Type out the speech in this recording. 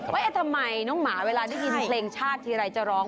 ทำไมน้องหมาเวลาได้ยินเพลงชาติทีไรจะร้อง